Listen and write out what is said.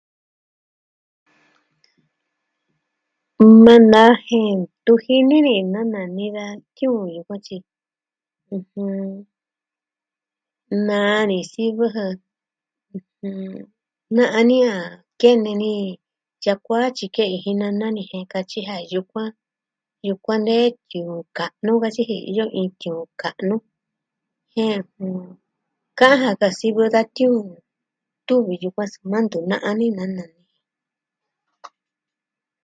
Nee naa jen ntu jini ni na nani da tiuun yukuan tyi, ɨjɨn, naa ni sivɨ jɨ ɨjɨn. Ne'ya ni a kene ni tya kuatyi kɨ'ɨn jin nana ni jen nkatyi ja yukuan, yukuan nee tiuun ka'nu katyi ji, iyo iin tiuun ka'nu. Jen, jɨn... kɨɨn jɨ ka sivɨ da tiuun, tuvi yukuan soma ntu na'a ni nana ni.